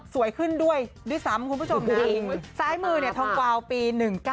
ขึ้นด้วยด้วยซ้ำคุณผู้ชมซ้ายมือเนี่ยทองกวาวปี๑๙